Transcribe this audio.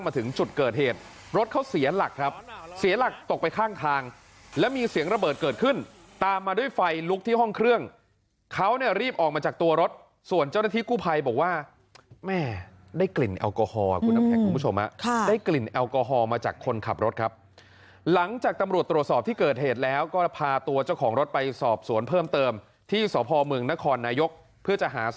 มาถึงจุดเกิดเหตุรถเขาเสียหลักครับเสียหลักตกไปข้างทางแล้วมีเสียงระเบิดเกิดขึ้นตามมาด้วยไฟลุกที่ห้องเครื่องเขาเนี่ยรีบออกมาจากตัวรถส่วนเจ้าหน้าที่กู้ภัยบอกว่าแม่ได้กลิ่นแอลกอฮอลคุณน้ำแข็งคุณผู้ชมได้กลิ่นแอลกอฮอลมาจากคนขับรถครับหลังจากตำรวจตรวจสอบที่เกิดเหตุแล้วก็พาตัวเจ้าของรถไปสอบสวนเพิ่มเติมที่สพเมืองนครนายกเพื่อจะหา